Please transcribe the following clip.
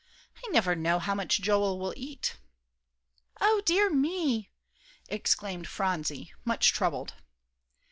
I never know how much Joel will eat." "O dear me!" exclaimed Phronsie, much troubled.